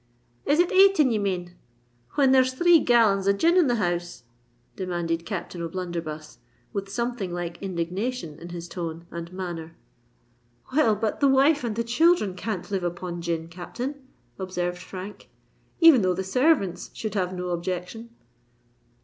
"Is it ayting ye mane, when there's three gallons of gin in the house?" demanded Captain O' Blunderbuss, with something like indignation in his tone and manner. "Well, but the wife and the children can't live upon gin, Captain," observed Frank; "even though the servants should have no objection."